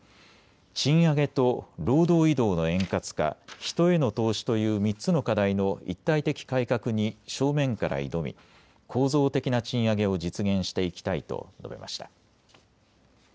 賃上げと労働移動の円滑化、人への投資という３つの課題の一体的改革に正面から挑み構造的な賃上げを実現していきたいと述べました。